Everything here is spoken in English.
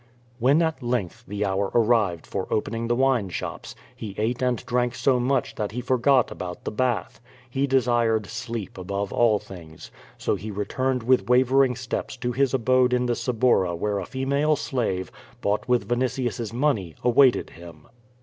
When at length the hour arrived for opening the wine shops, he ate and drank so much that he forgot about the bath, lie desired sleep above all things, so he returned with wavering steps to his abode in the Su1)arra where a female slave, bouglit with Vinitius's money, awaited him.